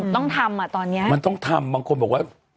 ต้องทำอ่ะตอนนี้มันต้องทำบางคนบอกว่า